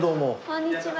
こんにちは。